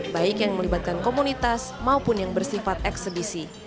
baik yang melibatkan komunitas maupun yang bersifat eksebisi